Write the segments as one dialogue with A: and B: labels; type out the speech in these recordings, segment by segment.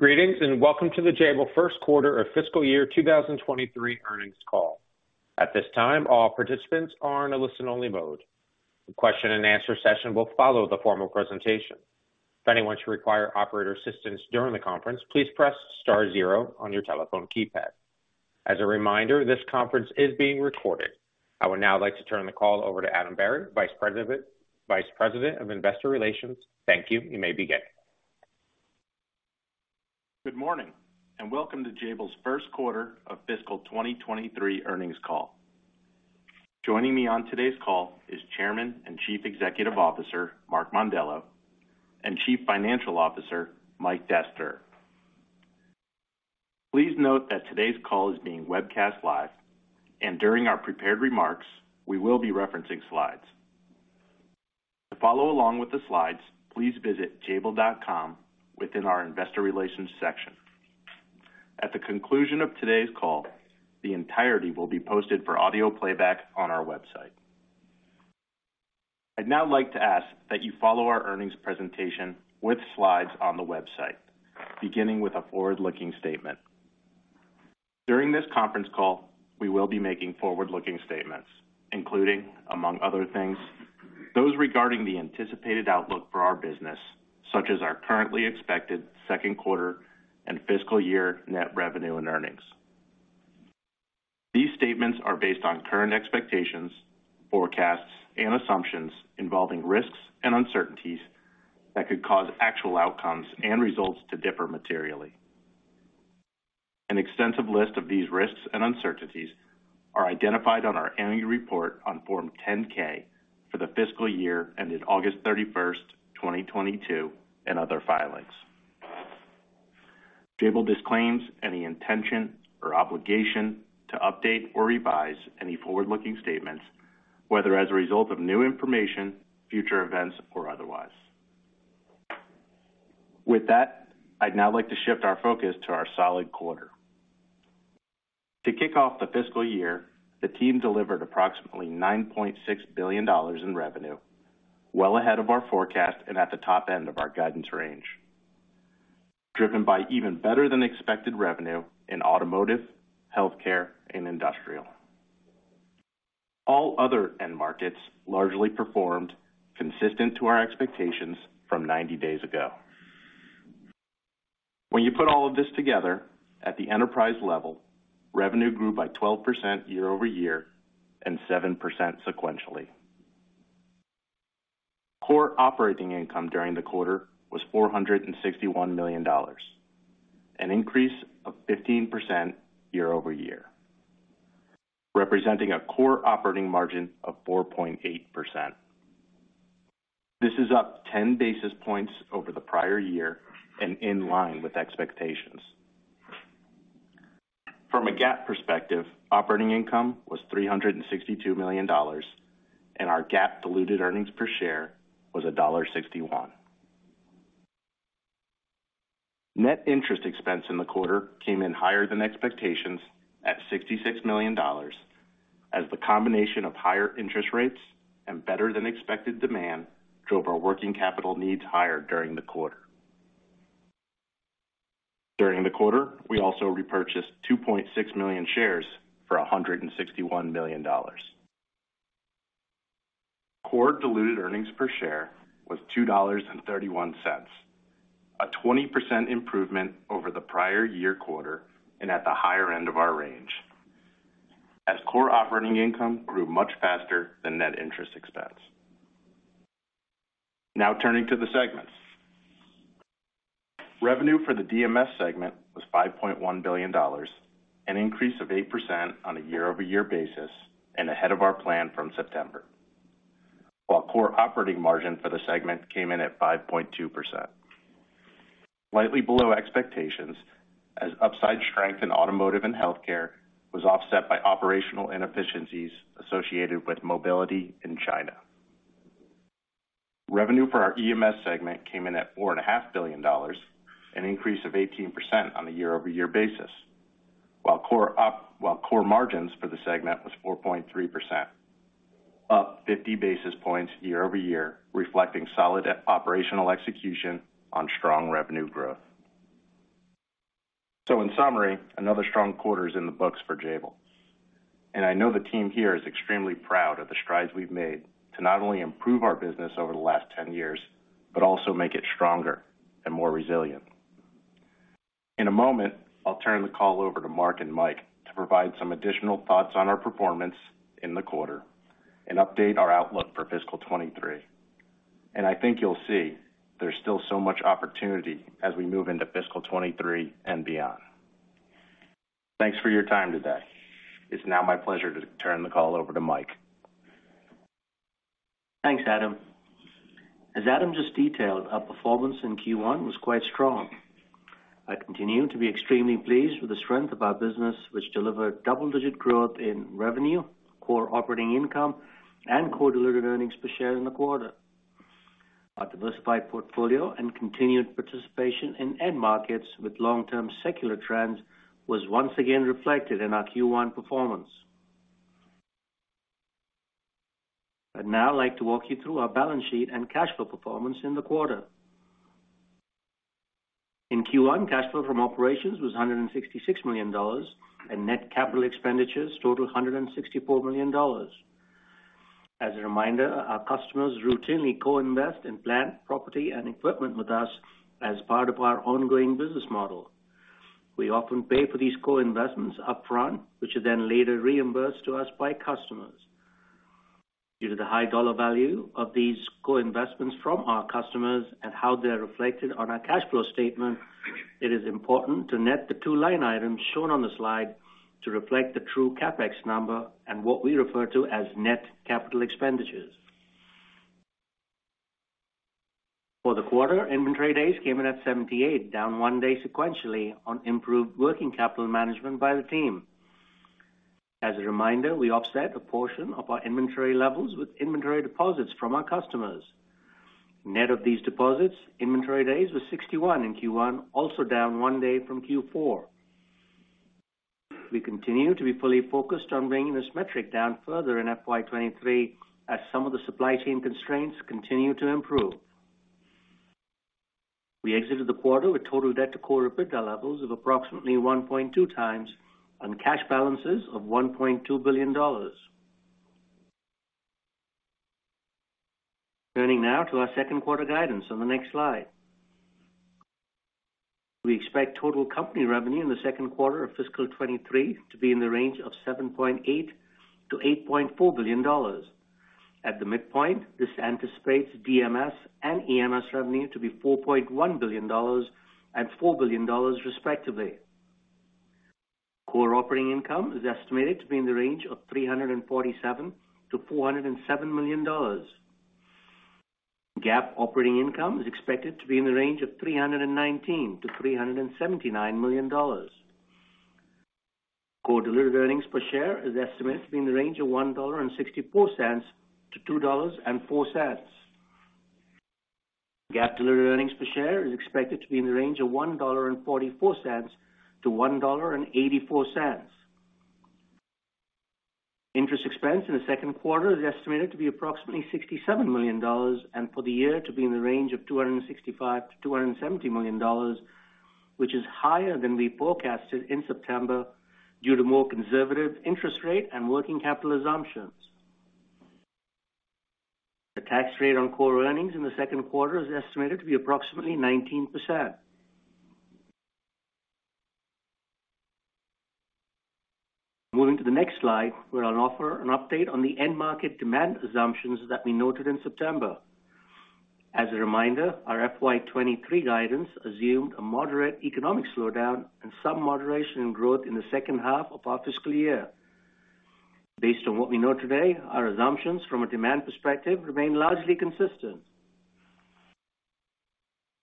A: Greetings, welcome to the Jabil first quarter of fiscal year 2023 earnings call. At this time, all participants are in a listen-only mode. The question and answer session will follow the formal presentation. If anyone should require operator assistance during the conference, please press star zero on your telephone keypad. As a reminder, this conference is being recorded. I would now like to turn the call over to Adam Berry, Vice President, Investor Relations. Thank you. You may begin.
B: Good morning, and welcome to Jabil's first quarter of fiscal 2023 earnings call. Joining me on today's call is Chairman and Chief Executive Officer, Mark Mondello, and Chief Financial Officer, Mike Dastoor. Please note that today's call is being webcast live, and during our prepared remarks, we will be referencing slides. To follow along with the slides, please visit jabil.com within our investor relations section. At the conclusion of today's call, the entirety will be posted for audio playback on our website. I'd now like to ask that you follow our earnings presentation with slides on the website, beginning with a forward-looking statement. During this conference call, we will be making forward-looking statements, including, among other things, those regarding the anticipated outlook for our business, such as our currently expected second quarter and fiscal year net revenue and earnings. These statements are based on current expectations, forecasts, and assumptions involving risks and uncertainties that could cause actual outcomes and results to differ materially. An extensive list of these risks and uncertainties are identified on our annual report on Form 10-K for the fiscal year ended August 31, 2022, and other filings. Jabil disclaims any intention or obligation to update or revise any forward-looking statements, whether as a result of new information, future events, or otherwise. I'd now like to shift our focus to our solid quarter. To kick off the fiscal year, the team delivered approximately $9.6 billion in revenue, well ahead of our forecast and at the top end of our guidance range. Driven by even better than expected revenue in automotive, healthcare, and industrial. All other end markets largely performed consistent to our expectations from 90 days ago. When you put all of this together at the enterprise level, revenue grew by 12% year-over-year and 7% sequentially. Core operating income during the quarter was $461 million, an increase of 15% year-over-year, representing a core operating margin of 4.8%. This is up 10 basis points over the prior year and in line with expectations. From a GAAP perspective, operating income was $362 million, and our GAAP diluted earnings per share was $1.61. Net interest expense in the quarter came in higher than expectations at $66 million as the combination of higher interest rates and better than expected demand drove our working capital needs higher during the quarter. During the quarter, we also repurchased 2.6 million shares for $161 million. Core diluted earnings per share was $2.31, a 20% improvement over the prior year quarter and at the higher end of our range, as core operating income grew much faster than net interest expense. Turning to the segments. Revenue for the DMS segment was $5.1 billion, an increase of 8% on a year-over-year basis and ahead of our plan from September. Core operating margin for the segment came in at 5.2%. Slightly below expectations as upside strength in automotive and healthcare was offset by operational inefficiencies associated with mobility in China. Revenue for our EMS segment came in at four and a half billion dollars, an increase of 18% on a year-over-year basis, while core margins for the segment was 4.3%, up 50 basis points year-over-year, reflecting solid operational execution on strong revenue growth. In summary, another strong quarter is in the books for Jabil. I know the team here is extremely proud of the strides we've made to not only improve our business over the last 10 years, but also make it stronger and more resilient. In a moment, I'll turn the call over to Mark and Mike to provide some additional thoughts on our performance in the quarter and update our outlook for fiscal 2023. I think you'll see there's still so much opportunity as we move into fiscal 2023 and beyond. Thanks for your time today. It's now my pleasure to turn the call over to Mike.
C: Thanks, Adam. As Adam just detailed, our performance in Q1 was quite strong. I continue to be extremely pleased with the strength of our business, which delivered double-digit growth in revenue, core operating income, and core diluted earnings per share in the quarter. Our diversified portfolio and continued participation in end markets with long-term secular trends was once again reflected in our Q1 performance. I'd now like to walk you through our balance sheet and cash flow performance in the quarter. In Q1, cash flow from operations was $166 million, and net capital expenditures totaled $164 million. As a reminder, our customers routinely co-invest in plant, property, and equipment with us as part of our ongoing business model. We often pay for these co-investments upfront, which are then later reimbursed to us by customers. Due to the high dollar value of these co-investments from our customers and how they're reflected on our cash flow statement, it is important to net the two line items shown on the slide to reflect the true CapEx number and what we refer to as net capital expenditures. For the quarter, inventory days came in at 78, down one day sequentially on improved working capital management by the team. As a reminder, we offset a portion of our inventory levels with inventory deposits from our customers. Net of these deposits, inventory days was 61 in Q1, also down one day from Q4. We continue to be fully focused on bringing this metric down further in FY 2023 as some of the supply chain constraints continue to improve. We exited the quarter with total debt to core EBITDA levels of approximately 1.2 times on cash balances of $1.2 billion. Turning now to our 2nd quarter guidance on the next slide. We expect total company revenue in the 2nd quarter of fiscal 2023 to be in the range of $7.8 billion-$8.4 billion. At the midpoint, this anticipates DMS and EMS revenue to be $4.1 billion and $4 billion, respectively. core operating income is estimated to be in the range of $347 million-$407 million. GAAP operating income is expected to be in the range of $319 million-$379 million. Core diluted earnings per share is estimated to be in the range of $1.64-$2.04. GAAP diluted earnings per share is expected to be in the range of $1.44-$1.84. Interest expense in the second quarter is estimated to be approximately $67 million and for the year to be in the range of $265 million-$270 million, which is higher than we forecasted in September due to more conservative interest rate and working capital assumptions. The tax rate on core earnings in the second quarter is estimated to be approximately 19%. Moving to the next slide, where I'll offer an update on the end market demand assumptions that we noted in September. Our FY 2023 guidance assumed a moderate economic slowdown and some moderation in growth in the second half of our fiscal year. Based on what we know today, our assumptions from a demand perspective remain largely consistent.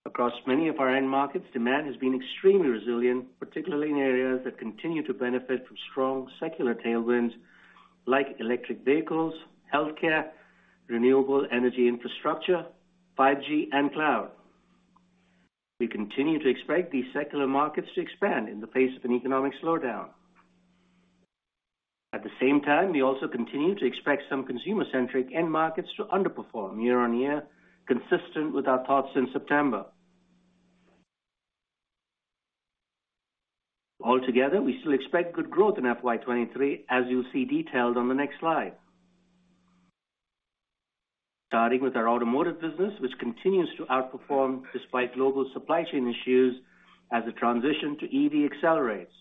C: Across many of our end markets, demand has been extremely resilient, particularly in areas that continue to benefit from strong secular tailwinds like electric vehicles, healthcare, renewable energy infrastructure, 5G, and cloud. We continue to expect these secular markets to expand in the face of an economic slowdown. We also continue to expect some consumer-centric end markets to underperform year-on-year, consistent with our thoughts in September. We still expect good growth in FY 2023, as you'll see detailed on the next slide. Starting with our automotive business, which continues to outperform despite global supply chain issues as a transition to EV accelerates.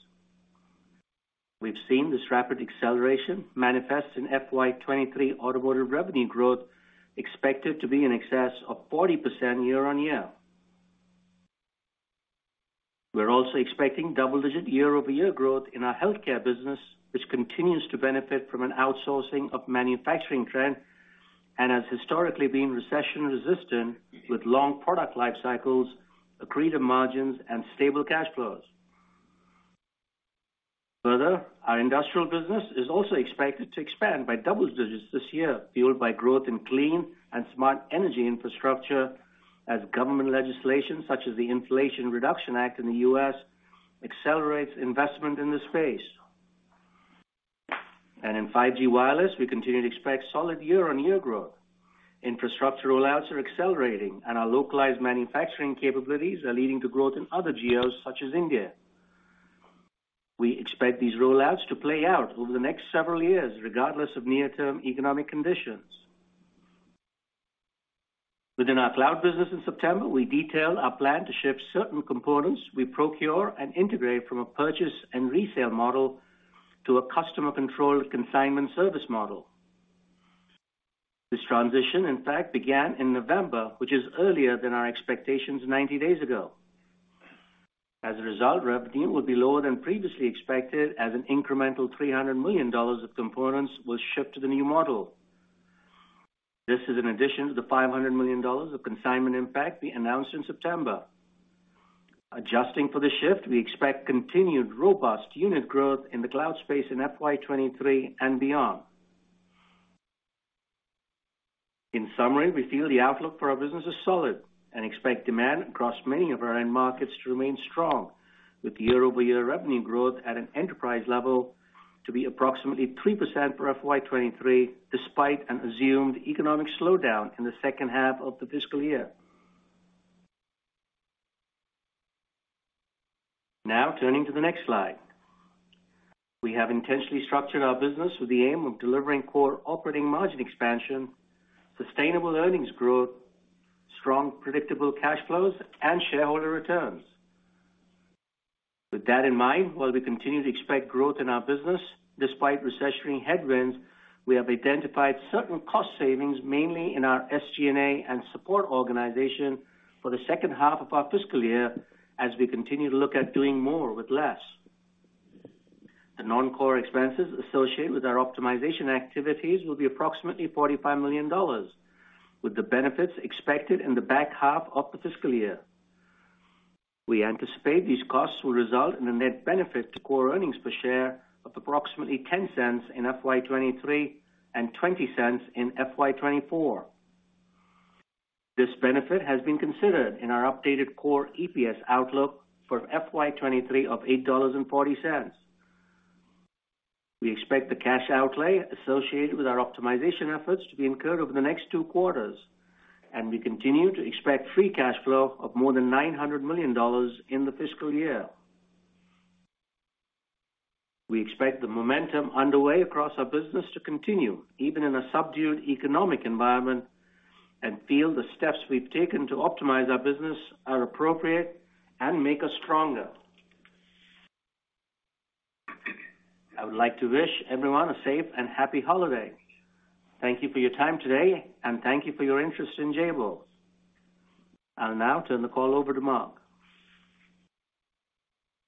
C: We've seen this rapid acceleration manifest in FY 2023 automotive revenue growth expected to be in excess of 40% year-on-year. We're also expecting double-digit year-over-year growth in our healthcare business, which continues to benefit from an outsourcing of manufacturing trend and has historically been recession resistant with long product life cycles, accretive margins, and stable cash flows. Further, our industrial business is also expected to expand by double digits this year, fueled by growth in clean and smart energy infrastructure as government legislation such as the Inflation Reduction Act in the U.S. accelerates investment in this space. In 5G wireless, we continue to expect solid year-on-year growth. Infrastructure rollouts are accelerating, and our localized manufacturing capabilities are leading to growth in other geos such as India. We expect these rollouts to play out over the next several years, regardless of near-term economic conditions. Within our cloud business in September, we detailed our plan to ship certain components we procure and integrate from a purchase and resale model to a customer-controlled consignment service model. This transition, in fact, began in November, which is earlier than our expectations 90 days ago. A result, revenue will be lower than previously expected as an incremental $300 million of components was shipped to the new model. This is an addition to the $500 million of consignment impact we announced in September. Adjusting for the shift, we expect continued robust unit growth in the cloud space in FY 2023 and beyond. In summary, we feel the outlook for our business is solid and expect demand across many of our end markets to remain strong, with year-over-year revenue growth at an enterprise level to be approximately 3% for FY 2023, despite an assumed economic slowdown in the second half of the fiscal year. Turning to the next slide. We have intentionally structured our business with the aim of delivering core operating margin expansion, sustainable earnings growth, strong predictable cash flows, and shareholder returns. With that in mind, while we continue to expect growth in our business despite recessionary headwinds, we have identified certain cost savings, mainly in our SG&A and support organization for the second half of our fiscal year as we continue to look at doing more with less. The non-core expenses associated with our optimization activities will be approximately $45 million, with the benefits expected in the back half of the fiscal year. We anticipate these costs will result in a net benefit to core earnings per share of approximately $0.10 in FY 2023 and $0.20 in FY 2024. This benefit has been considered in our updated core EPS outlook for FY 2023 of $8.40. We expect the cash outlay associated with our optimization efforts to be incurred over the next two quarters, and we continue to expect free cash flow of more than $900 million in the fiscal year. We expect the momentum underway across our business to continue even in a subdued economic environment, and feel the steps we've taken to optimize our business are appropriate and make us stronger. I would like to wish everyone a safe and happy holiday. Thank you for your time today, and thank you for your interest in Jabil. I'll now turn the call over to Mark.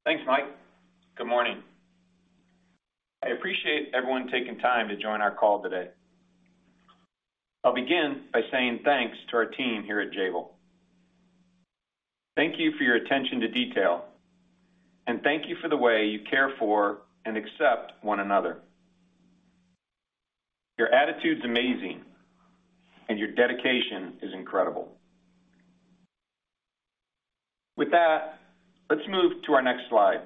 D: Thanks, Mike. Good morning. I appreciate everyone taking time to join our call today. I'll begin by saying thanks to our team here at Jabil. Thank you for your attention to detail, and thank you for the way you care for and accept one another. Your attitude's amazing, and your dedication is incredible. With that, let's move to our next slide.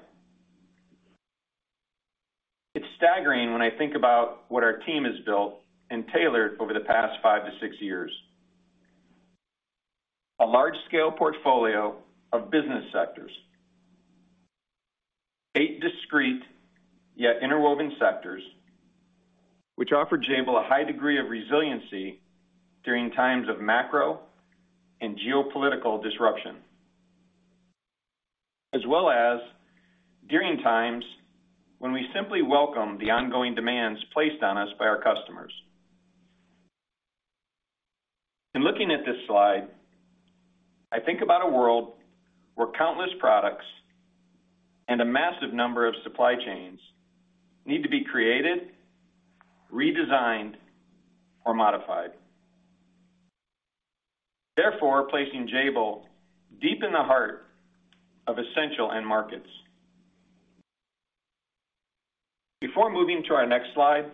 D: It's staggering when I think about what our team has built and tailored over the past five to six years. A large-scale portfolio of business sectors. Eight discrete, yet interwoven sectors, which offer Jabil a high degree of resiliency during times of macro and geopolitical disruption, as well as during times when we simply welcome the ongoing demands placed on us by our customers. In looking at this slide, I think about a world where countless products and a massive number of supply chains need to be created, redesigned, or modified. Therefore, placing Jabil deep in the heart of essential end markets. Before moving to our next slide,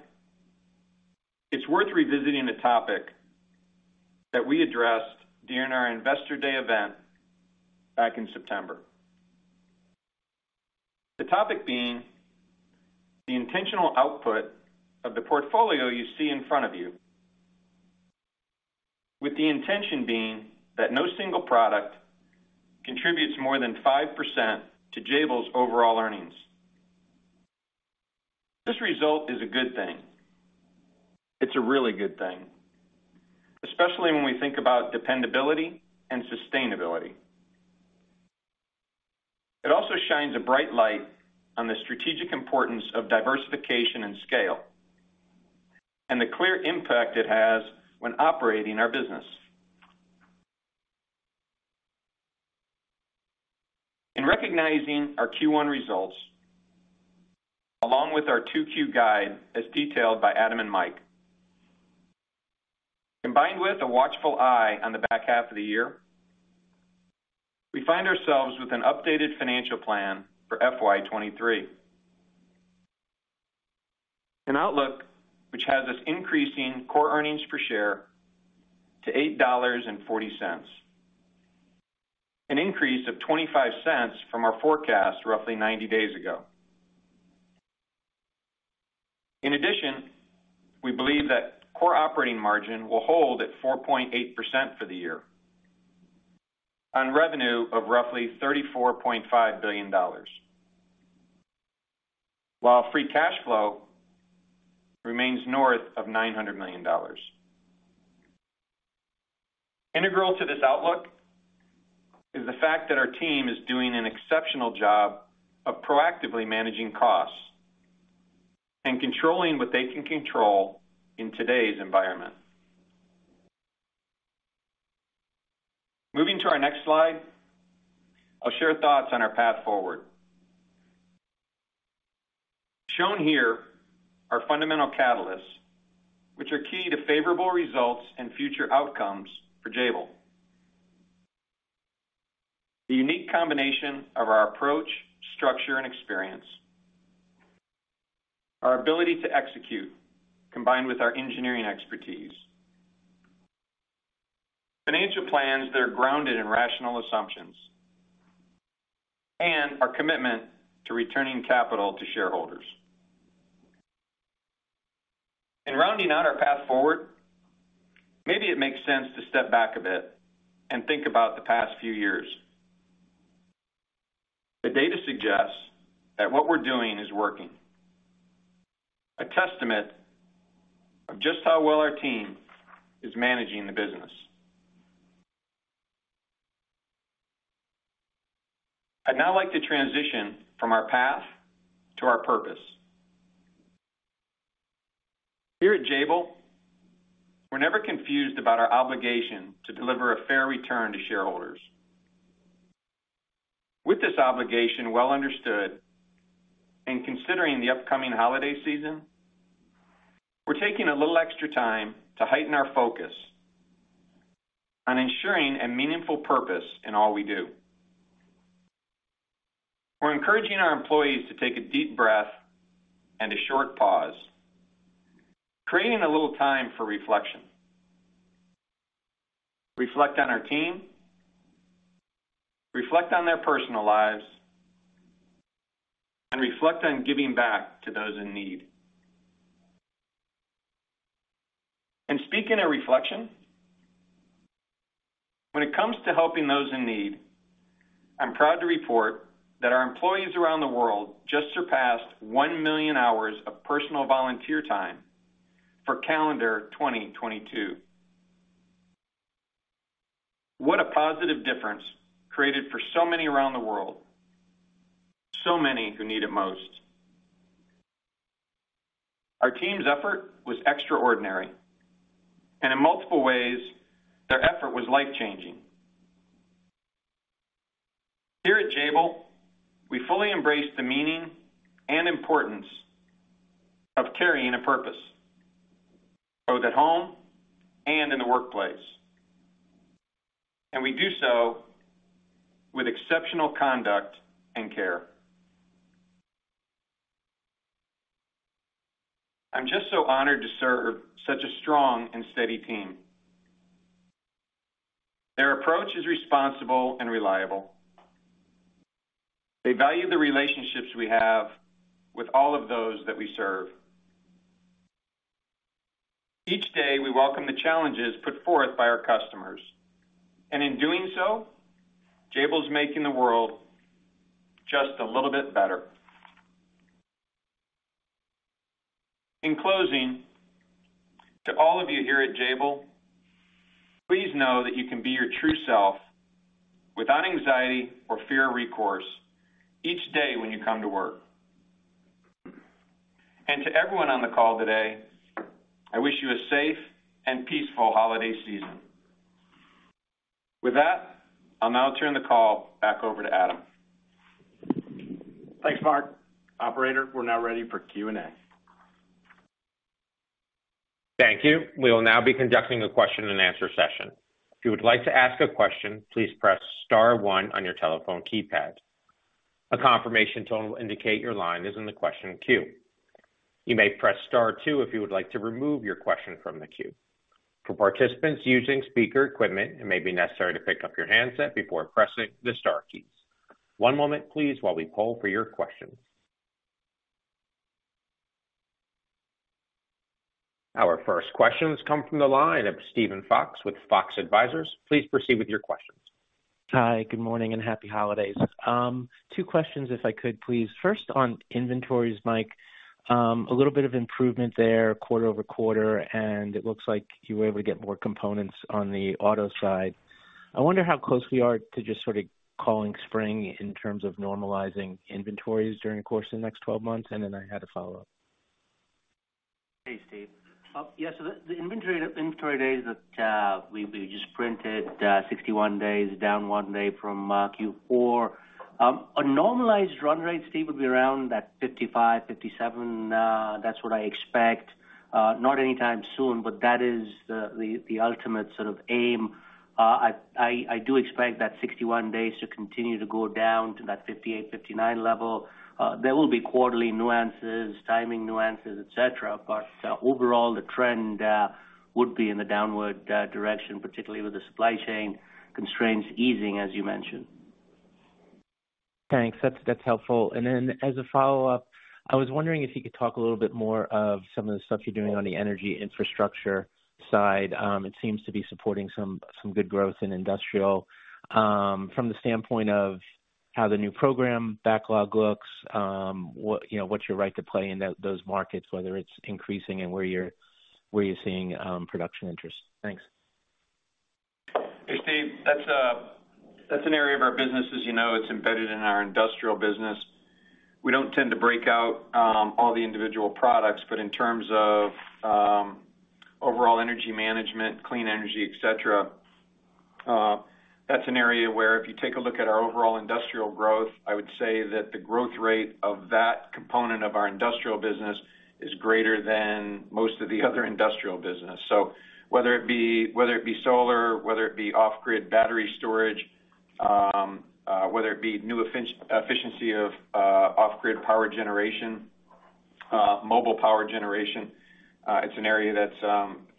D: it's worth revisiting a topic that we addressed during our Investor Day event back in September. The topic being the intentional output of the portfolio you see in front of you, with the intention being that no single product contributes more than 5% to Jabil's overall earnings. This result is a good thing. It's a really good thing, especially when we think about dependability and sustainability. It also shines a bright light on the strategic importance of diversification and scale, and the clear impact it has when operating our business. In recognizing our Q1 results, along with our 2Q guide as detailed by Adam and Mike, combined with a watchful eye on the back half of the year, we find ourselves with an updated financial plan for FY 2023. An outlook which has us increasing core earnings per share to $8.40, an increase of $0.25 from our forecast roughly 90 days ago. In addition, we believe that core operating margin will hold at 4.8% for the year on revenue of roughly $34.5 billion, while free cash flow remains north of $900 million. Integral to this outlook is the fact that our team is doing an exceptional job of proactively managing costs and controlling what they can control in today's environment. Moving to our next slide, I'll share thoughts on our path forward. Shown here are fundamental catalysts which are key to favorable results and future outcomes for Jabil. The unique combination of our approach, structure and experience. Our ability to execute combined with our engineering expertise. Financial plans that are grounded in rational assumptions. Our commitment to returning capital to shareholders. In rounding out our path forward, maybe it makes sense to step back a bit and think about the past few years. The data suggests that what we're doing is working. A testament of just how well our team is managing the business. I'd now like to transition from our path to our purpose. Here at Jabil, we're never confused about our obligation to deliver a fair return to shareholders. With this obligation well understood, and considering the upcoming holiday season, we're taking a little extra time to heighten our focus on ensuring a meaningful purpose in all we do. We're encouraging our employees to take a deep breath and a short pause, creating a little time for reflection. Reflect on our team, reflect on their personal lives, and reflect on giving back to those in need. Speaking of reflection, when it comes to helping those in need, I'm proud to report that our employees around the world just surpassed 1 million hours of personal volunteer time for calendar 2022. What a positive difference created for so many around the world, so many who need it most. Our team's effort was extraordinary, in multiple ways, their effort was life changing. Here at Jabil, we fully embrace the meaning and importance of carrying a purpose, both at home and in the workplace, we do so with exceptional conduct and care. I'm just so honored to serve such a strong and steady team. Their approach is responsible and reliable. They value the relationships we have with all of those that we serve. Each day, we welcome the challenges put forth by our customers, and in doing so, Jabil's making the world just a little bit better. In closing, to all of you here at Jabil, please know that you can be your true self without anxiety or fear of recourse each day when you come to work. To everyone on the call today, I wish you a safe and peaceful holiday season. With that, I'll now turn the call back over to Adam. Thanks, Mark. Operator, we're now ready for Q&A.
A: Thank you. We will now be conducting a question and answer session. If you would like to ask a question, please press star one on your telephone keypad. A confirmation tone will indicate your line is in the question queue. You may press star two if you would like to remove your question from the queue. For participants using speaker equipment, it may be necessary to pick up your handset before pressing the star keys. One moment, please, while we poll for your questions. Our first questions come from the line of Steven Fox with Fox Advisors. Please proceed with your questions.
E: Hi, good morning and happy holidays. Two questions if I could, please. First on inventories, Mike, a little bit of improvement there quarter-over-quarter, and it looks like you were able to get more components on the auto side. I wonder how close we are to just sort of calling spring in terms of normalizing inventories during the course of the next 12 months, and then I had a follow-up.
C: Hey, Steve. Yes. The inventory days that we just printed, 61 days, down one day from Q4. A normalized run rate, Steve, would be around that 55-57. That's what I expect. Not anytime soon, but that is the ultimate sort of aim. I do expect that 61 days to continue to go down to that 58-59 level. There will be quarterly nuances, timing nuances, et cetera. Overall, the trend would be in the downward direction, particularly with the supply chain constraints easing, as you mentioned.
E: Thanks. That's helpful. Then as a follow-up, I was wondering if you could talk a little bit more of some of the stuff you're doing on the energy infrastructure side. It seems to be supporting some good growth in industrial. From the standpoint of how the new program backlog looks, what, you know, what's your right to play in those markets, whether it's increasing and where you're seeing production interest? Thanks.
D: Hey, Steve. That's an area of our business. As you know, it's embedded in our industrial business. We don't tend to break out all the individual products, but in terms of overall energy management, clean energy, et cetera, that's an area where if you take a look at our overall industrial growth, I would say that the growth rate of that component of our industrial business is greater than most of the other industrial business. Whether it be solar, whether it be off-grid battery storage, whether it be new efficiency of off-grid power generation. Mobile power generation, it's an area that's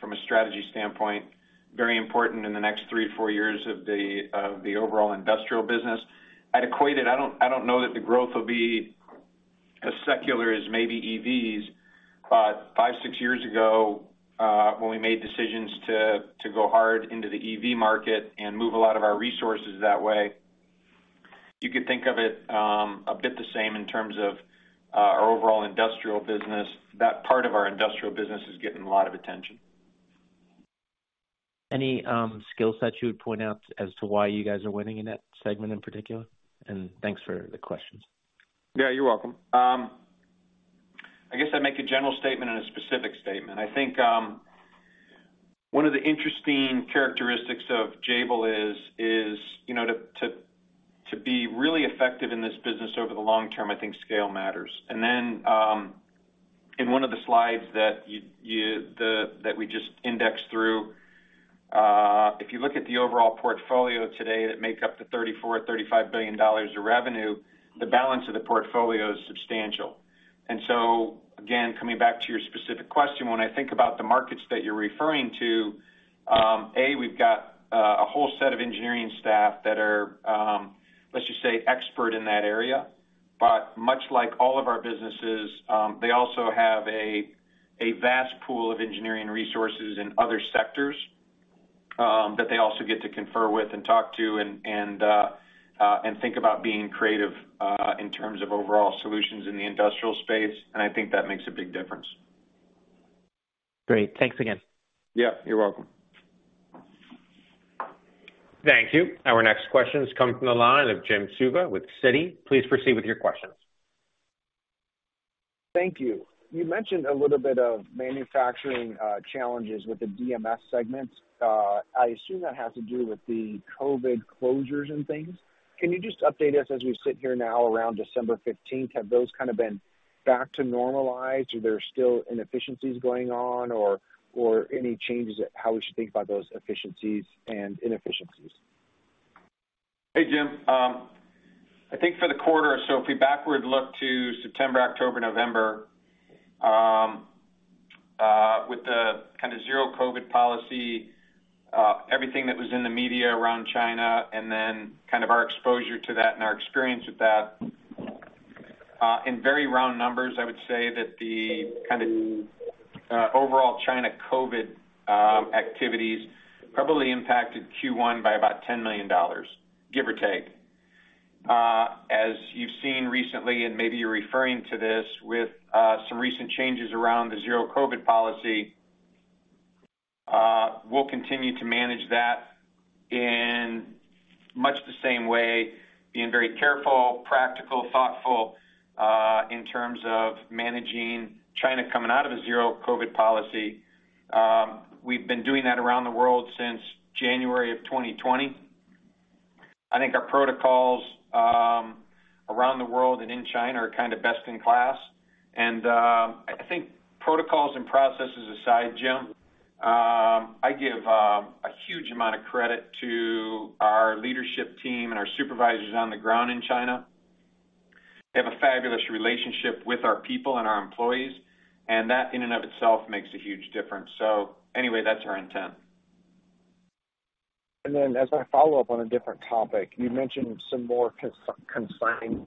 D: from a strategy standpoint, very important in the next three to four years of the overall industrial business. I'd equate it. I don't know that the growth will be as secular as maybe EVs. Five, six years ago, when we made decisions to go hard into the EV market and move a lot of our resources that way, you could think of it a bit the same in terms of our overall industrial business. That part of our industrial business is getting a lot of attention.
E: Any skill sets you would point out as to why you guys are winning in that segment in particular? Thanks for the questions.
D: Yeah, you're welcome. I guess I'd make a general statement and a specific statement. I think, one of the interesting characteristics of Jabil is, you know, to be really effective in this business over the long term, I think scale matters. In one of the slides that we just indexed through, if you look at the overall portfolio today that make up the $34 billion-$35 billion of revenue, the balance of the portfolio is substantial. Again, coming back to your specific question, when I think about the markets that you're referring to, A, we've got a whole set of engineering staff that are, let's just say, expert in that area. Much like all of our businesses, they also have a vast pool of engineering resources in other sectors, that they also get to confer with and talk to and think about being creative, in terms of overall solutions in the industrial space, and I think that makes a big difference.
E: Great. Thanks again.
D: Yeah, you're welcome.
A: Thank you. Our next question is coming from the line of Jim Suva with Citi. Please proceed with your questions.
F: Thank you. You mentioned a little bit of manufacturing challenges with the DMS segment. I assume that has to do with the COVID closures and things. Can you just update us as we sit here now around December 15th? Have those kind of been back to normalized? Are there still inefficiencies going on or any changes in how we should think about those efficiencies and inefficiencies?
D: Hey, Jim. I think for the quarter, so if we backward look to September, October, November, with the kind of zero COVID policy, everything that was in the media around China and then kind of our exposure to that and our experience with that, in very round numbers, I would say that the kind of overall China COVID activities probably impacted Q1 by about $10 million, give or take. As you've seen recently, and maybe you're referring to this with some recent changes around the zero COVID policy, we'll continue to manage that in much the same way, being very careful, practical, thoughtful, in terms of managing China coming out of a zero COVID policy. We've been doing that around the world since January of 2020. I think our protocols around the world and in China are kind of best in class. I think protocols and processes aside, Jim, I give a huge amount of credit to our leadership team and our supervisors on the ground in China. They have a fabulous relationship with our people and our employees, and that in and of itself makes a huge difference. Anyway, that's our intent.
F: Then as I follow up on a different topic, you mentioned some more consignment. Is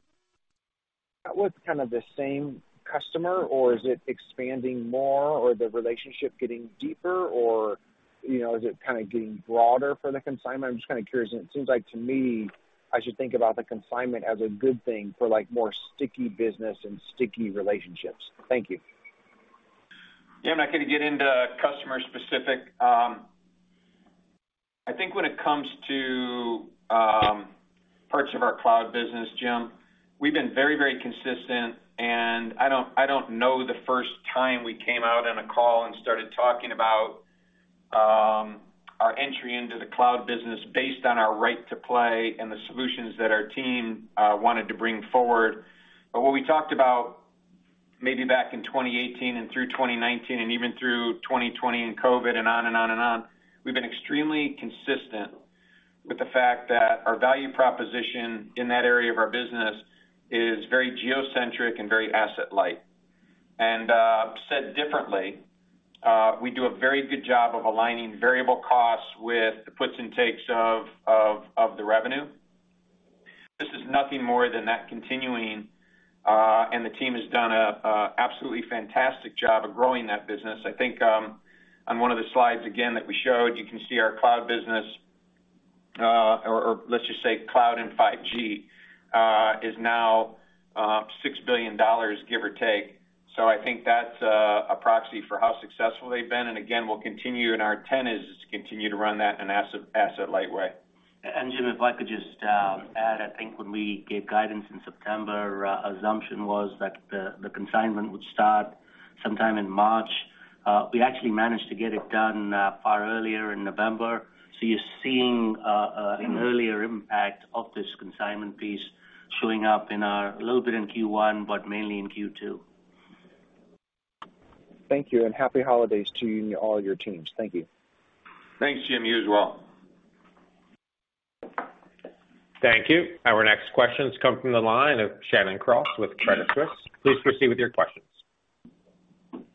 F: that with kind of the same customer, or is it expanding more or the relationship getting deeper or, you know, is it kind of getting broader for the consignment? I'm just kind of curious. It seems like to me, I should think about the consignment as a good thing for like more sticky business and sticky relationships. Thank you.
D: Yeah. I'm not gonna get into customer specific. I think when it comes to, parts of our cloud business, Jim, we've been very, very consistent, and I don't know the first time we came out on a call and started talking about, our entry into the cloud business based on our right to play and the solutions that our team, wanted to bring forward. What we talked about maybe back in 2018 and through 2019 and even through 2020 and COVID and on and on and on, we've been extremely consistent with the fact that our value proposition in that area of our business is very geocentric and very asset light. Said differently, we do a very good job of aligning variable costs with the puts and takes of the revenue. This is nothing more than that continuing, and the team has done a absolutely fantastic job of growing that business. I think, on one of the slides again that we showed, you can see our cloud business, or let's just say cloud and 5G, is now $6 billion, give or take. I think that's a proxy for how successful they've been. Again, we'll continue and our intent is just to continue to run that in an asset light way.
C: Jim, if I could just, add, I think when we gave guidance in September, our assumption was that the consignment would start sometime in March. We actually managed to get it done, far earlier in November. You're seeing, an earlier impact of this consignment piece showing up in a little bit in Q1, but mainly in Q2.
F: Thank you, and happy holidays to you and all your teams. Thank you.
D: Thanks, Jim. You as well.
A: Thank you. Our next question's come from the line of Shannon Cross with Credit Suisse. Please proceed with your questions.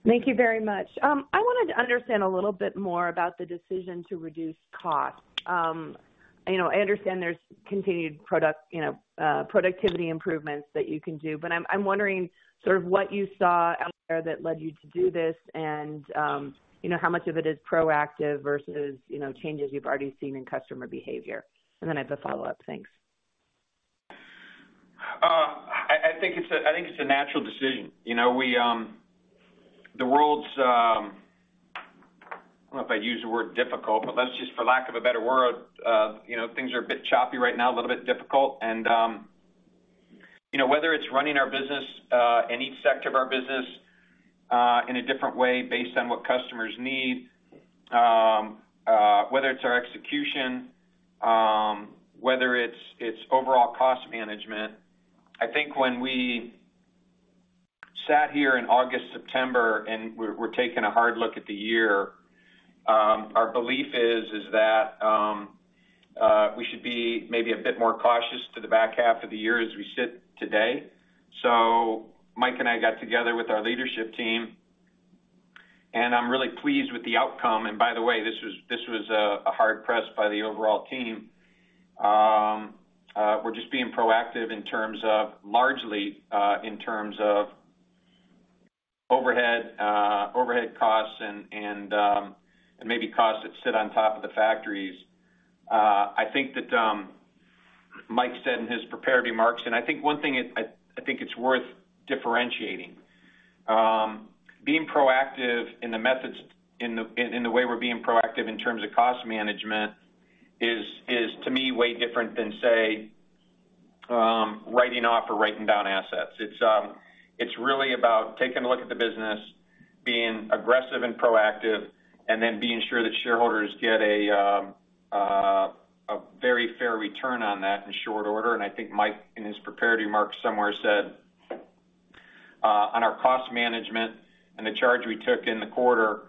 G: Thank you very much. I wanted to understand a little bit more about the decision to reduce costs. You know, productivity improvements that you can do, but I'm wondering sort of what you saw out there that led you to do this and, you know, how much of it is proactive versus, you know, changes you've already seen in customer behavior. I have a follow-up. Thanks.
D: I think it's a natural decision. You know, the world's, I don't know if I'd use the word difficult, but let's just for lack of a better word, you know, things are a bit choppy right now, a little bit difficult and, you know, whether it's running our business, and each sector of our business, in a different way based on what customers need, whether it's our execution, whether it's overall cost management. I think when we sat here in August, September, and we're taking a hard look at the year, our belief is that we should be maybe a bit more cautious to the back half of the year as we sit today. Mike and I got together with our leadership team, and I'm really pleased with the outcome. By the way, this was, this was a hard press by the overall team. We're just being proactive in terms of largely, in terms of overhead costs and maybe costs that sit on top of the factories. I think that Mike said in his prepared remarks, I think one thing I think it's worth differentiating. Being proactive in the methods, in the way we're being proactive in terms of cost management is to me way different than say, writing off or writing down assets. It's really about taking a look at the business, being aggressive and proactive, and then being sure that shareholders get a very fair return on that in short order. I think Mike, in his prepared remarks somewhere said, on our cost management and the charge we took in the quarter,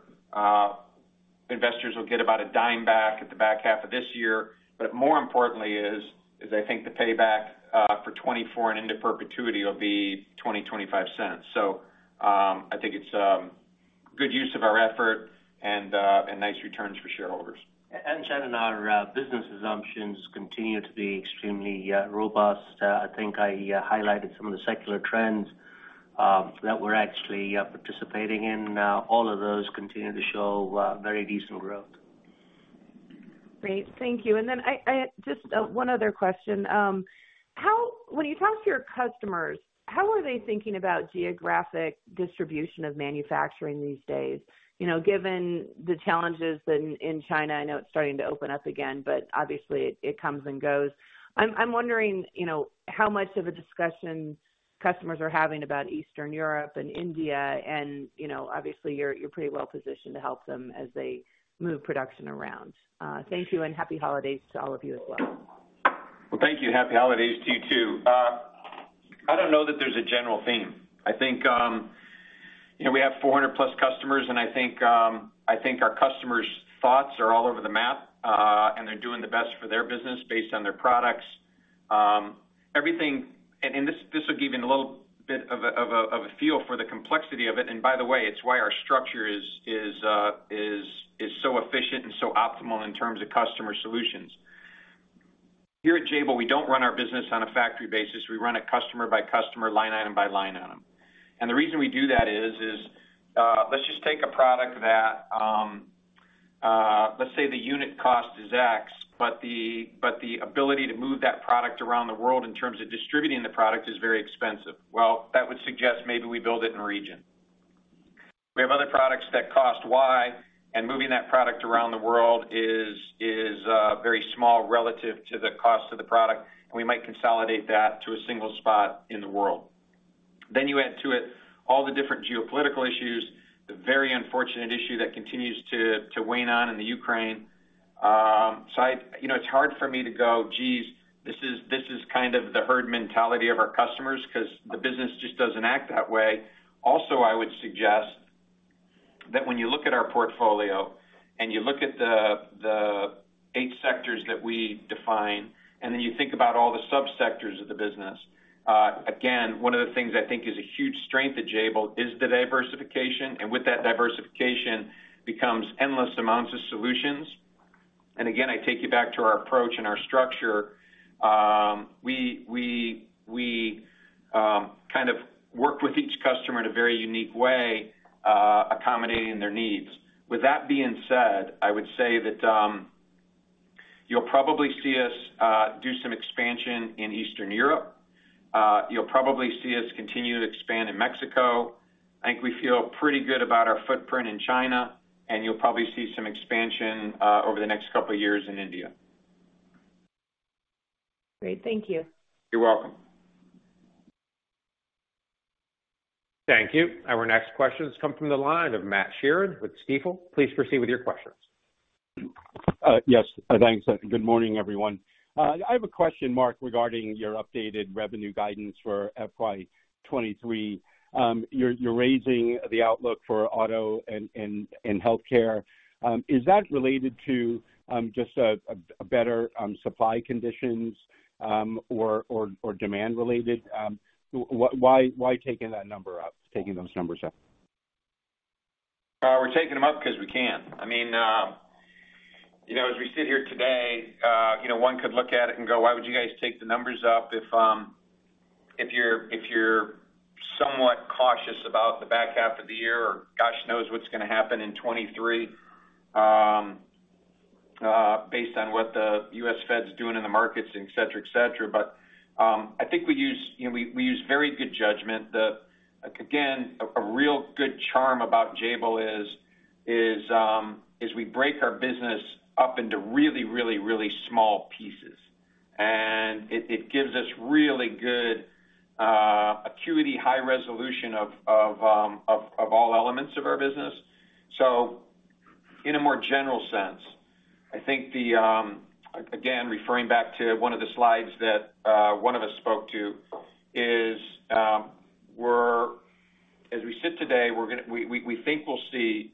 D: investors will get about $0.10 back at the back half of this year. More importantly is I think the payback for 2024 and into perpetuity will be $0.20, $0.25. I think it's good use of our effort and nice returns for shareholders.
C: Shannon, our business assumptions continue to be extremely robust. I think I highlighted some of the secular trends that we're actually participating in. All of those continue to show very decent growth.
G: Great. Thank you. Then I, just one other question. How when you talk to your customers, how are they thinking about geographic distribution of manufacturing these days? You know, given the challenges in China, I know it's starting to open up again, but obviously it comes and goes. I'm wondering, you know, how much of a discussion customers are having about Eastern Europe and India and, you know, obviously you're pretty well positioned to help them as they move production around. Thank you, and happy holidays to all of you as well.
D: Well, thank you, happy holidays to you, too. I don't know that there's a general theme. I think, you know, we have 400 plus customers, and I think our customers' thoughts are all over the map, and they're doing the best for their business based on their products. Everything this will give you a little bit of a feel for the complexity of it. By the way, it's why our structure is so efficient and so optimal in terms of customer solutions. Here at Jabil, we don't run our business on a factory basis. We run it customer by customer, line item by line item. The reason we do that is, let's just take a product that, let's say the unit cost is X, but the ability to move that product around the world in terms of distributing the product is very expensive. Well, that would suggest maybe we build it in region. We have other products that cost Y, and moving that product around the world is very small relative to the cost of the product, and we might consolidate that to a single spot in the world. You add to it all the different geopolitical issues, the very unfortunate issue that continues to wane on in the Ukraine. I, you know, it's hard for me to go, geez, this is kind of the herd mentality of our customers 'cause the business just doesn't act that way. I would suggest that when you look at our portfolio and you look at the eight sectors that we define, then you think about all the sub-sectors of the business, again, one of the things I think is a huge strength at Jabil is the diversification, and with that diversification becomes endless amounts of solutions. Again, I take you back to our approach and our structure. We kind of work with each customer in a very unique way, accommodating their needs. With that being said, I would say that you'll probably see us do some expansion in Eastern Europe. You'll probably see us continue to expand in Mexico. I think we feel pretty good about our footprint in China, and you'll probably see some expansion over the next couple of years in India.
G: Great. Thank you.
D: You're welcome.
A: Thank you. Our next question's come from the line of Matt Sheerin with Stifel. Please proceed with your questions.
H: Yes. Thanks. Good morning, everyone. I have a question, Mark, regarding your updated revenue guidance for FY 2023. You're raising the outlook for auto and healthcare. Is that related to just a better supply conditions or demand related? Why taking that number up? Taking those numbers up?
D: We're taking them up because we can. I mean, you know, as we sit here today, you know, one could look at it and go, why would you guys take the numbers up if you're, if you're somewhat cautious about the back half of the year, or gosh knows what's gonna happen in 2023, based on what the U.S. Fed is doing in the markets, et cetera, et cetera. I think we use, you know, we use very good judgment. Again, a real good charm about Jabil is we break our business up into really, really, really small pieces. It gives us really good acuity, high resolution of all elements of our business. In a more general sense, I think the again, referring back to one of the slides that one of us spoke to is as we sit today, we think we'll see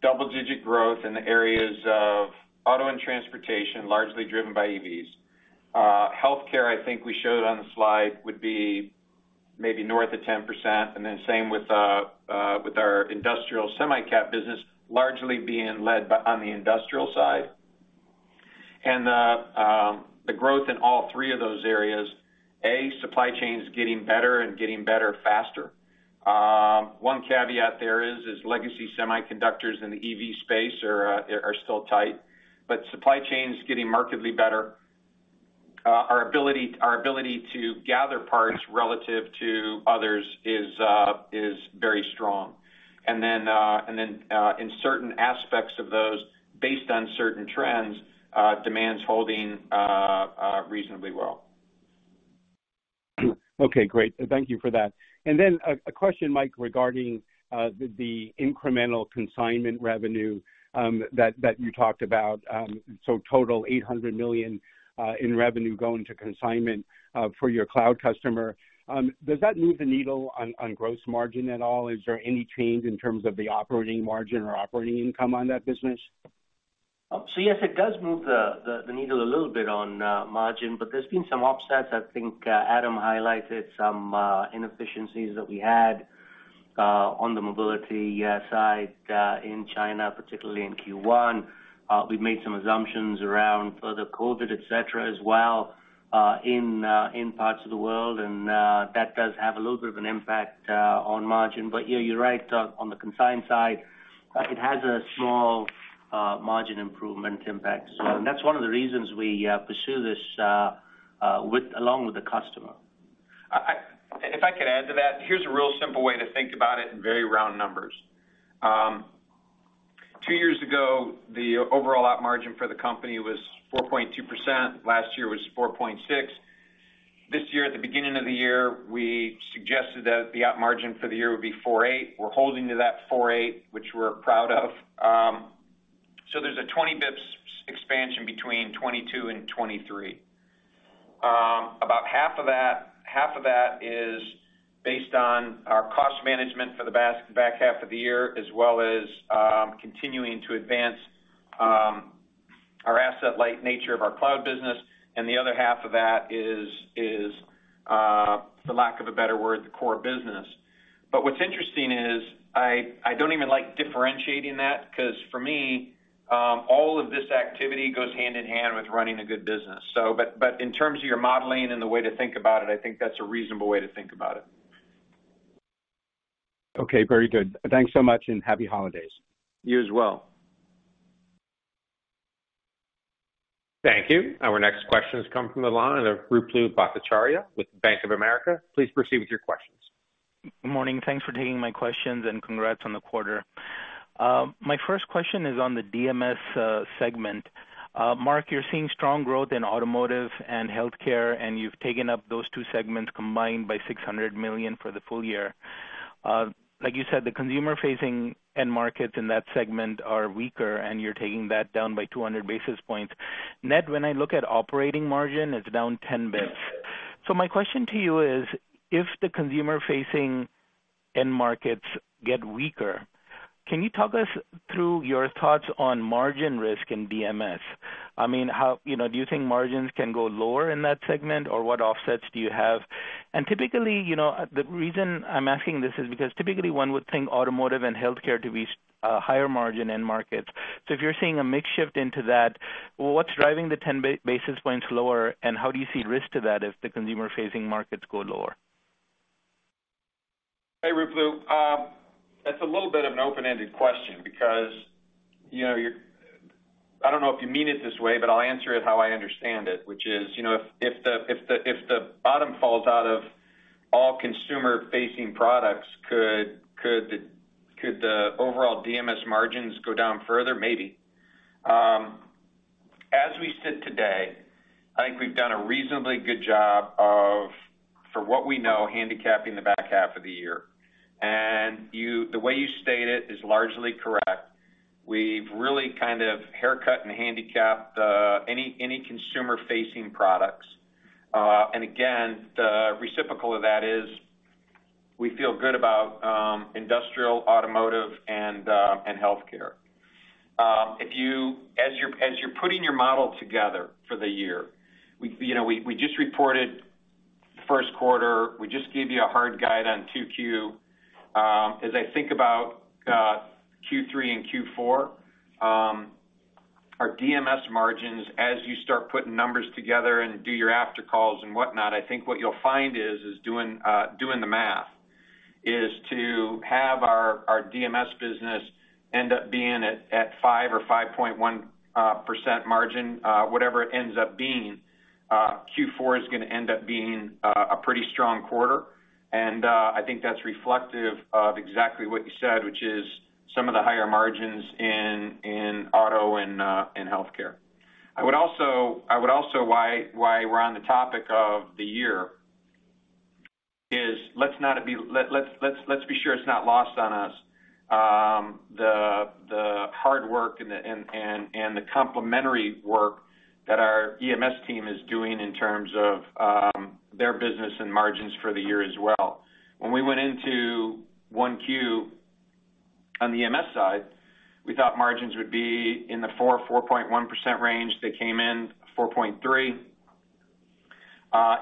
D: double-digit growth in the areas of auto and transportation, largely driven by EVs. Healthcare, I think we showed on the slide, would be maybe north of 10%, and then same with our industrial semi-cap business largely being led by on the industrial side. The growth in all three of those areas, A, supply chain is getting better and getting better faster. One caveat there is legacy semiconductors in the EV space are still tight. Supply chain is getting markedly better. Our ability to gather parts relative to others is very strong. In certain aspects of those, based on certain trends, demand's holding reasonably well.
H: Okay, great. Thank you for that. Then a question, Mike, regarding the incremental consignment revenue that you talked about. Total $800 million in revenue going to consignment for your cloud customer. Does that move the needle on gross margin at all? Is there any change in terms of the operating margin or operating income on that business?
C: Yes, it does move the needle a little bit on margin, but there's been some offsets. I think Adam highlighted some inefficiencies that we had on the mobility side in China, particularly in Q1. We've made some assumptions around further COVID, et cetera, as well in parts of the world, and that does have a little bit of an impact on margin. Yeah, you're right. On the consign side, it has a small margin improvement impact. That's one of the reasons we pursue this with, along with the customer.
D: If I could add to that, here's a real simple way to think about it in very round numbers. Two years ago, the overall op margin for the company was 4.2%. Last year was 4.6%. This year, at the beginning of the year, we suggested that the op margin for the year would be 4.8%. We're holding to that 4.8%, which we're proud of. There's a 20 bps expansion between 2022 and 2023. About half of that is based on our cost management for the back half of the year, as well as continuing to advance our asset light nature of our cloud business, and the other half of that is for lack of a better word, the core business. What's interesting is, I don't even like differentiating that 'cause for me, all of this activity goes hand in hand with running a good business. But in terms of your modeling and the way to think about it, I think that's a reasonable way to think about it.
H: Okay, very good. Thanks so much. Happy holidays.
D: You as well.
A: Thank you. Our next question has come from the line of Ruplu Bhattacharya with Bank of America. Please proceed with your questions.
I: Good morning. Thanks for taking my questions, and congrats on the quarter. My first question is on the DMS segment. Mark, you're seeing strong growth in automotive and healthcare, and you've taken up those two segments combined by $600 million for the full year. Like you said, the consumer-facing end markets in that segment are weaker, and you're taking that down by 200 basis points. Net, when I look at operating margin, it's down 10 bps. My question to you is, if the consumer-facing end markets get weaker, can you talk us through your thoughts on margin risk in DMS? I mean, you know, do you think margins can go lower in that segment, or what offsets do you have? Typically, you know, the reason I'm asking this is because typically one would think automotive and healthcare to be higher margin end markets. If you're seeing a mix shift into that, what's driving the 10 basis points lower, and how do you see risk to that if the consumer-facing markets go lower?
D: Hey, Ruplu. That's a little bit of an open-ended question because, you know, I don't know if you mean it this way, but I'll answer it how I understand it, which is, you know, if the bottom falls out of all consumer-facing products, could the overall DMS margins go down further? Maybe. As we sit today, I think we've done a reasonably good job of, for what we know, handicapping the back half of the year. The way you state it is largely correct. We've really kind of haircut and handicapped any consumer-facing products. Again, the reciprocal of that is we feel good about industrial, automotive, and healthcare. As you're, as you're putting your model together for the year, we, you know, we just reported first quarter, we just gave you a hard guide on 2Q. As I think about Q3 and Q4, our DMS margins, as you start putting numbers together and do your after calls and whatnot, I think what you'll find is, doing the math, is to have our DMS business end up being at 5% or 5.1% margin, whatever it ends up being, Q4 is gonna end up being a pretty strong quarter. I think that's reflective of exactly what you said, which is some of the higher margins in auto and in healthcare. I would also, why we're on the topic of the year is let's be sure it's not lost on us, the hard work and the complementary work that our EMS team is doing in terms of their business and margins for the year as well. When we went into 1Q on the EMS side, we thought margins would be in the 4%-4.1% range. They came in 4.3%.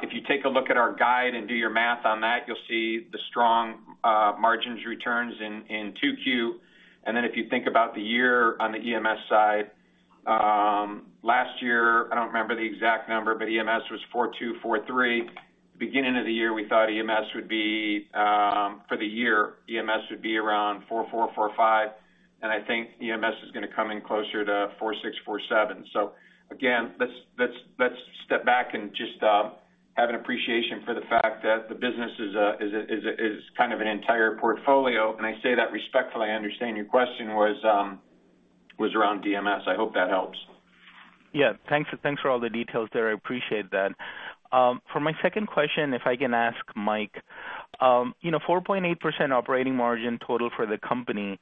D: If you take a look at our guide and do your math on that, you'll see the strong margins returns in 2Q. Then if you think about the year on the EMS side, last year, I don't remember the exact number, but EMS was 4.2%, 4.3%. Beginning of the year, we thought EMS would be, for the year, EMS would be around $4.4 billion, $4.5 billion, and I think EMS is going to come in closer to $4.6 billion, $4.7 billion. Again, let's step back and just have an appreciation for the fact that the business is a kind of an entire portfolio. I say that respectfully, I understand your question was around DMS. I hope that helps.
I: Yeah. Thanks for all the details there. I appreciate that. For my second question, if I can ask Mike, you know, 4.8% operating margin total for the company,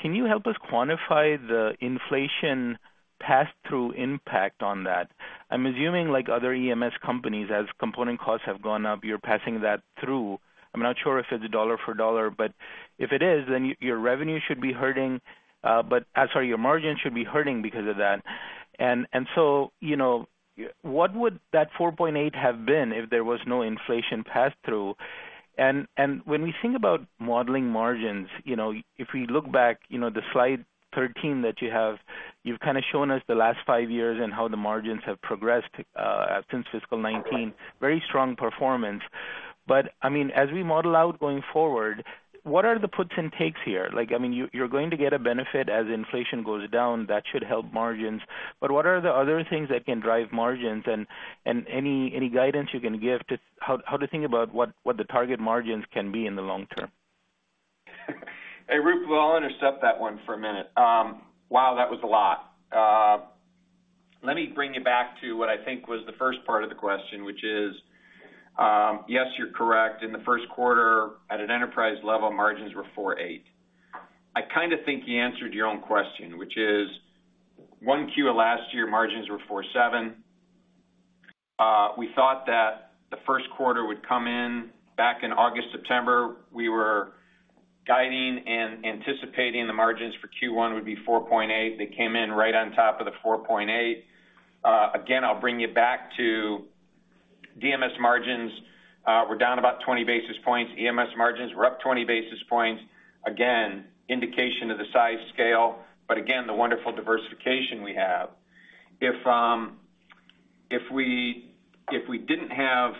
I: can you help us quantify the inflation pass-through impact on that? I'm assuming like other EMS companies, as component costs have gone up, you're passing that through. I'm not sure if it's a $1 for $1, but if it is, then your revenue should be hurting. I'm sorry, your margin should be hurting because of that. You know, what would that 4.8% have been if there was no inflation pass-through? When we think about modeling margins, you know, if we look back, you know, the slide 13 that you have, you've kind of shown us the last five years and how the margins have progressed since fiscal 2019. Very strong performance. I mean, as we model out going forward, what are the puts and takes here? Like, I mean, you're going to get a benefit as inflation goes down, that should help margins. What are the other things that can drive margins? Any guidance you can give to how to think about what the target margins can be in the long term?
D: Hey, Rup, well, I'll intercept that one for a minute. Wow, that was a lot. Let me bring you back to what I think was the first part of the question, which is, yes, you're correct. In the first quarter, at an enterprise level, margins were 4.8%. I kind of think you answered your own question, which is 1Q of last year, margins were 4.7%. We thought that the first quarter would come in. Back in August, September, we were guiding and anticipating the margins for Q1 would be 4.8%. They came in right on top of the 4.8%. Again, I'll bring you back to DMS margins. We're down about 20 basis points. EMS margins, we're up 20 basis points. Again, indication of the size scale, but again, the wonderful diversification we have. If we didn't have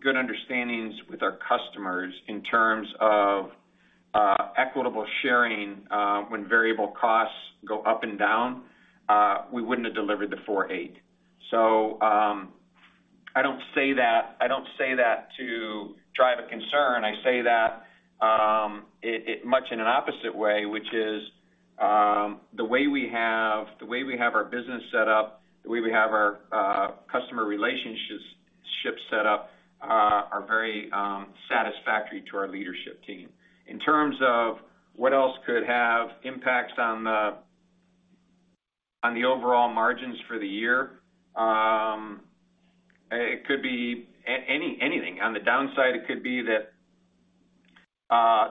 D: good understandings with our customers in terms of equitable sharing, when variable costs go up and down, we wouldn't have delivered the 4.8. I don't say that, I don't say that to drive a concern. I say that it much in an opposite way, which is the way we have our business set up, the way we have our customer relationships set up, are very satisfactory to our leadership team. In terms of what else could have impacts on the overall margins for the year, it could be anything. On the downside, it could be that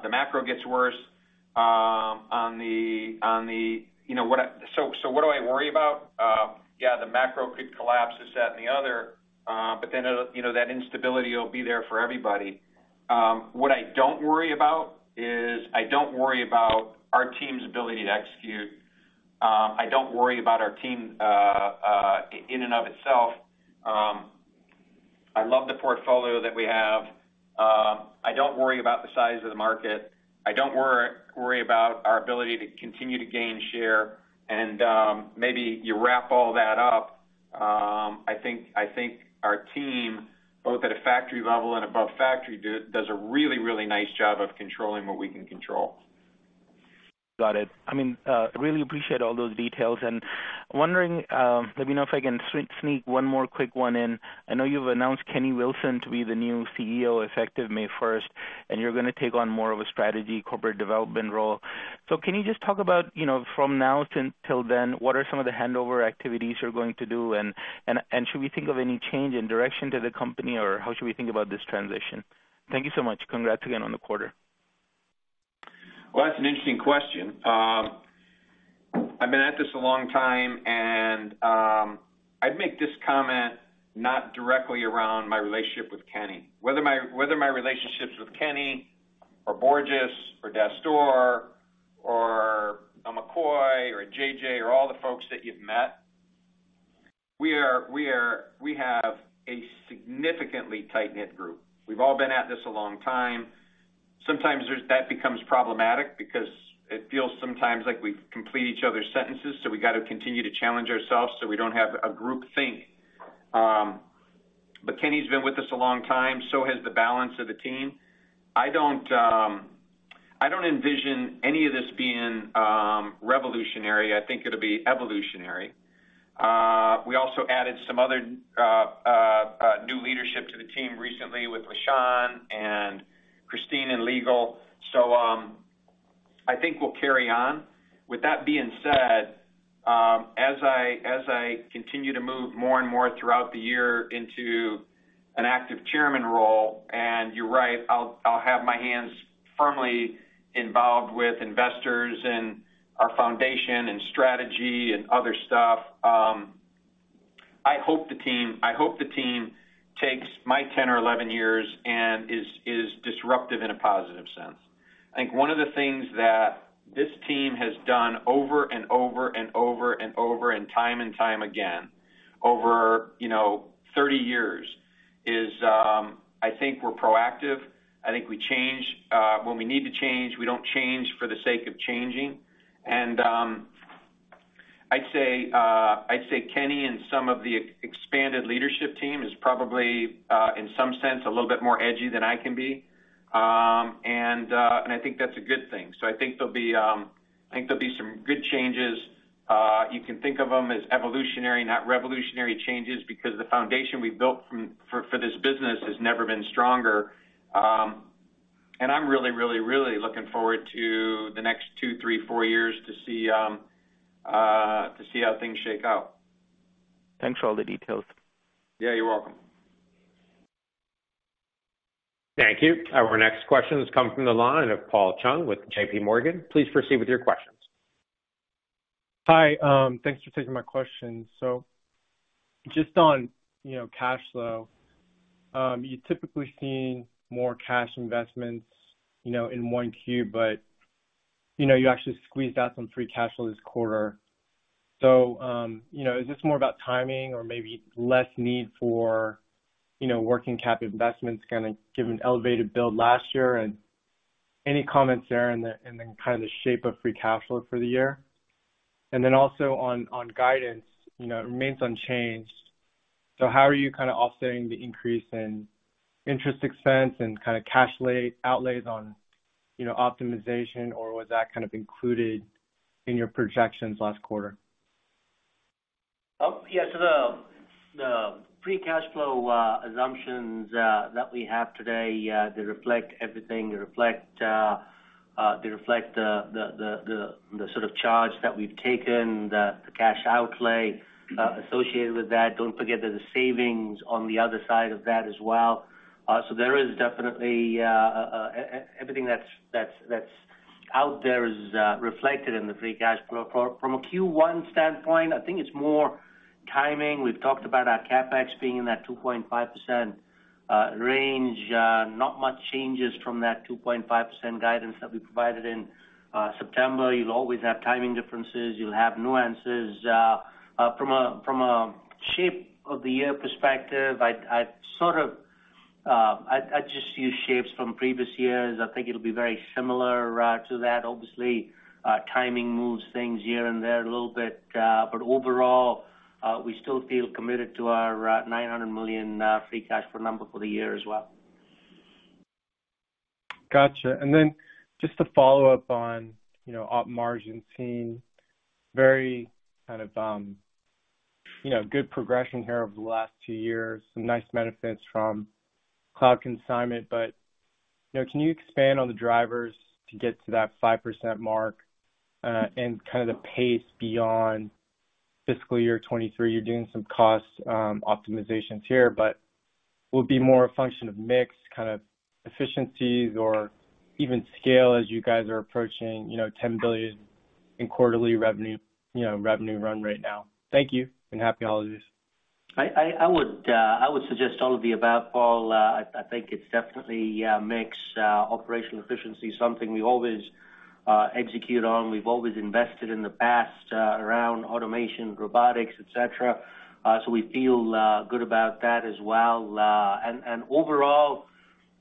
D: the macro gets worse, on the... You know, what do I worry about? Yeah, the macro could collapse, this, that, and the other, it'll, you know, that instability will be there for everybody. What I don't worry about is I don't worry about our team's ability to execute. I don't worry about our team, in and of itself. I love the portfolio that we have. I don't worry about the size of the market. I don't worry about our ability to continue to gain share. Maybe you wrap all that up, I think, I think our team, both at a factory level and above factory does a really, really nice job of controlling what we can control.
I: Got it. I mean, really appreciate all those details. Wondering, let me know if I can sneak one more quick one in. I know you've announced Kenny Wilson to be the new CEO, effective May first, and you're gonna take on more of a strategy corporate development role. Can you just talk about, you know, from now till then, what are some of the handover activities you're going to do? Should we think of any change in direction to the company, or how should we think about this transition? Thank you so much. Congrats again on the quarter.
D: Well, that's an interesting question. I've been at this a long time. I'd make this comment not directly around my relationship with Kenny. Whether my relationships with Kenny or Borges or Dastoor or McCoy or JJ or all the folks that you've met, we have a significantly tight-knit group. We've all been at this a long time. Sometimes that becomes problematic because it feels sometimes like we complete each other's sentences, so we got to continue to challenge ourselves so we don't have a group think. Kenny's been with us a long time, so has the balance of the team. I don't envision any of this being revolutionary. I think it'll be evolutionary. We also added some other new leadership to the team recently with LaSean and Christine in legal. I think we'll carry on. With that being said, as I continue to move more and more throughout the year into an active chairman role, and you're right, I'll have my hands firmly involved with investors and our foundation and strategy and other stuff, I hope the team takes my 10 or 11 years and is disruptive in a positive sense. I think one of the things that this team has done over and over and over and over and time and time again over, you know, 30 years is, I think we're proactive. I think we change, when we need to change. We don't change for the sake of changing. I'd say Kenny and some of the expanded leadership team is probably, in some sense, a little bit more edgy than I can be. I think that's a good thing. I think there'll be some good changes. You can think of them as evolutionary, not revolutionary changes, because the foundation we've built for this business has never been stronger. I'm really, really, really looking forward to the next two, three, four years to see how things shake out.
I: Thanks for all the details.
D: Yeah, you're welcome.
A: Thank you. Our next question has come from the line of Paul Chung with JPMorgan. Please proceed with your questions.
J: Hi, thanks for taking my question. Just on, you know, cash flow, you typically seen more cash investments, you know, in 1Q, but, you know, you actually squeezed out some free cash flow this quarter. You know, is this more about timing or maybe less need for, you know, working cap investments kinda given elevated build last year? Any comments there in the, in the kinda shape of free cash flow for the year? Also on guidance, you know, it remains unchanged. How are you kinda offsetting the increase in interest expense and kinda cash outlays on, you know, optimization or was that kind of included in your projections last quarter?
C: Oh, yeah. The free cash flow assumptions that we have today, they reflect everything. They reflect, they reflect the sort of charge that we've taken, the cash outlay associated with that. Don't forget there's the savings on the other side of that as well. There is definitely everything that's out there is reflected in the free cash flow. From a Q1 standpoint, I think it's more timing. We've talked about our CapEx being in that 2.5% range. Not much changes from that 2.5% guidance that we provided in September. You'll always have timing differences. You'll have nuances.
D: Uh, uh, from a, from a shape of the year perspective, I sort of, um, I just use shapes from previous years. I think it'll be very similar, uh, to that. Obviously, uh, timing moves things here and there a little bit, uh, but overall, uh, we still feel committed to our, uh, $900 million, uh, free cash flow number for the year as well.
J: Gotcha. Just to follow up on, you know, op margin seeing very kind of, you know, good progression here over the last two years, some nice benefits from cloud consignment. You know, can you expand on the drivers to get to that 5% mark and kind of the pace beyond fiscal year 2023? You're doing some cost optimizations here. Will it be more a function of mix, kind of efficiencies or even scale as you guys are approaching, you know, $10 billion in quarterly revenue, you know, revenue run right now. Thank you. Happy holidays.
D: I would suggest all of the above, Paul. I think it's definitely mix, operational efficiency, something we always execute on. We've always invested in the past around automation, robotics, et cetera, so we feel good about that as well. Overall,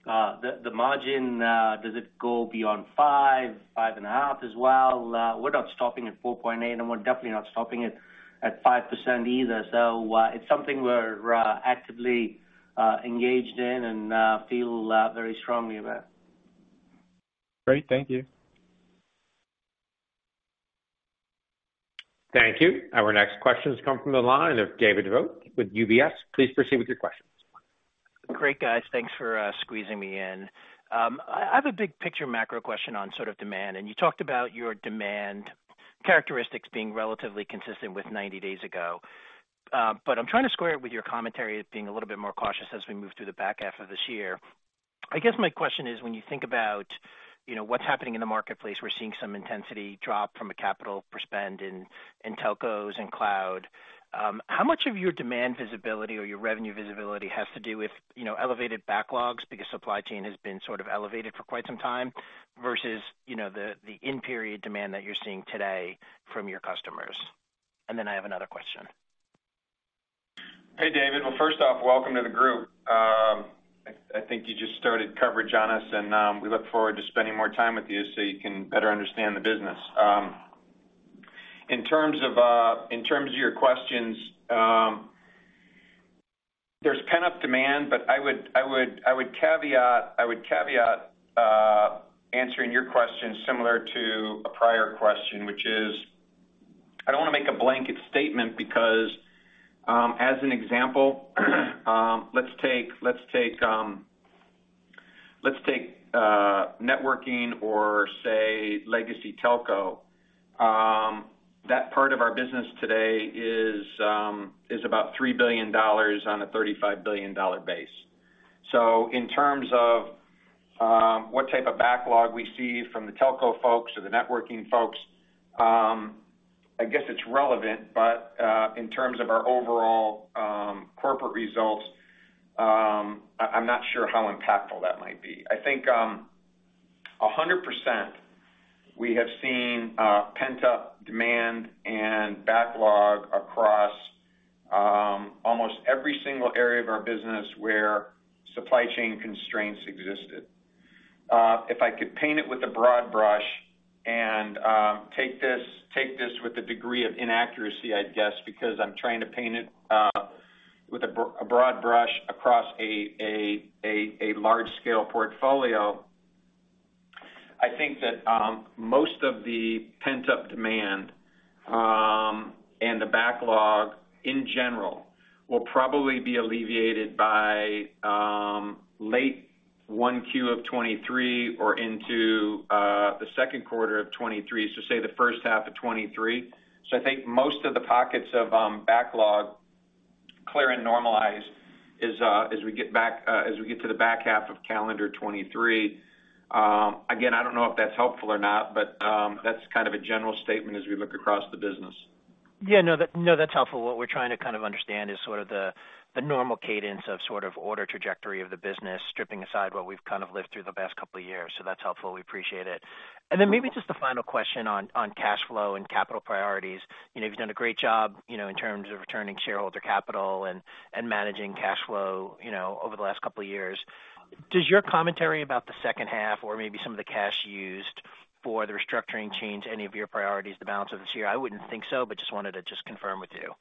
D: the margin, does it go beyond 5 and a half as well? We're not stopping at 4.8, and we're definitely not stopping it at 5% either. It's something we're actively engaged in and feel very strongly about.
J: Great. Thank you.
A: Thank you. Our next question has come from the line of David Vogt with UBS. Please proceed with your questions.
K: Great, guys. Thanks for squeezing me in. I have a big picture macro question on sort of demand. You talked about your demand characteristics being relatively consistent with 90 days ago. I'm trying to square it with your commentary as being a little bit more cautious as we move through the back half of this year. I guess my question is, when you think about, you know, what's happening in the marketplace, we're seeing some intensity drop from a capital spend in telcos and cloud, how much of your demand visibility or your revenue visibility has to do with, you know, elevated backlogs because supply chain has been sort of elevated for quite some time versus, you know, the in-period demand that you're seeing today from your customers? I have another question.
D: Hey, David. Well, first off, welcome to the group. I think you just started coverage on us and we look forward to spending more time with you so you can better understand the business. In terms of, in terms of your questions, there's pent-up demand, but I would caveat answering your question similar to a prior question, which is, I don't wanna make a blanket statement because as an example, let's take networking or say legacy telco. That part of our business today is about $3 billion on a $35 billion base. In terms of what type of backlog we see from the telco folks or the networking folks, I guess it's relevant, but in terms of our overall corporate results, I'm not sure how impactful that might be. I think 100%, we have seen pent-up demand and backlog across almost every single area of our business where supply chain constraints existed. If I could paint it with a broad brush and take this with a degree of inaccuracy, I'd guess, because I'm trying to paint it with a broad brush across a large-scale portfolio. I think that most of the pent-up demand and the backlog in general will probably be alleviated by late 1Q of 2023 or into the 2Q of 2023. Say the first half of 2023. I think most of the pockets of backlog clear and normalize as we get to the back half of calendar 2023. Again, I don't know if that's helpful or not, but that's kind of a general statement as we look across the business.
K: No, that's helpful. What we're trying to kind of understand is sort of the normal cadence of sort of order trajectory of the business, stripping aside what we've kind of lived through the past couple of years. That's helpful. We appreciate it. Then maybe just a final question on cash flow and capital priorities. You know, you've done a great job, you know, in terms of returning shareholder capital and managing cash flow, you know, over the last couple of years. Does your commentary about the second half or maybe some of the cash used for the restructuring change any of your priorities the balance of this year? I wouldn't think so, but just wanted to just confirm with you.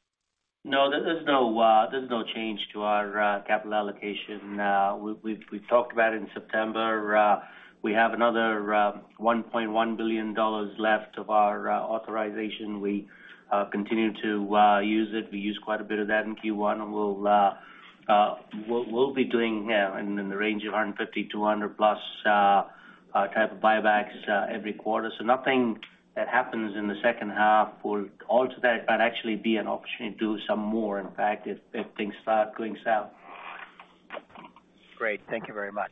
C: No, there's no change to our capital allocation. We've talked about it in September. We have another $1.1 billion left of our authorization. We continue to use it. We use quite a bit of that in Q1, and we'll be doing, yeah, in the range of 150-200+ type of buybacks every quarter. Nothing that happens in the second half will alter that, but actually be an opportunity to do some more, in fact, if things start going south.
K: Great. Thank you very much.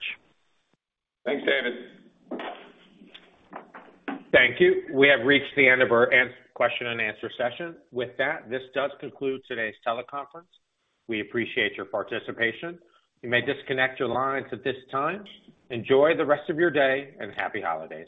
D: Thanks, David.
A: Thank you. We have reached the end of our question and answer session. This does conclude today's teleconference. We appreciate your participation. You may disconnect your lines at this time. Enjoy the rest of your day, and happy holidays.